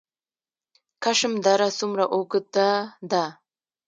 کشم دره څومره اوږده ده؟